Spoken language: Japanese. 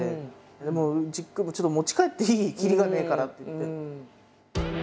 でもう「ちょっと持ち帰っていい？きりがねえから」って言って。